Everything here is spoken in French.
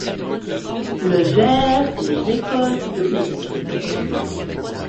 Le gère les écoles publiques.